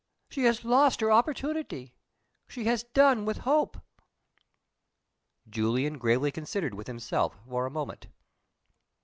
She has lost her opportunity. She has done with hope." Julian gravely considered with himself for a moment.